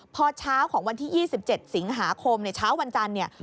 พอเช้าของวันที่๒๗สิงหาคมในเช้าวันจันทร์เนี่ย